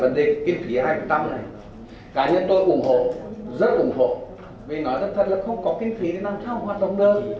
vấn đề kinh phí hai này cá nhân tôi ủng hộ rất ủng hộ vì nói thật là không có kinh phí để nâng cao hoạt động đơn